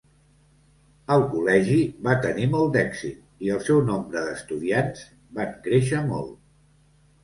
El col·legi va tenir molt d'èxit i el seu nombre d'estudiants van créixer molt.